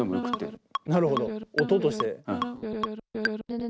なるほど音として。